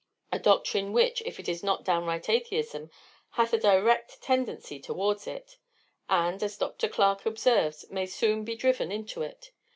A doctrine which, if it is not downright atheism, hath a direct tendency towards it; and, as Dr Clarke observes, may soon be driven into it.